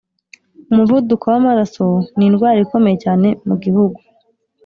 Umuvuduko w’amaraso n’indwara ikomeye cyane mugihugu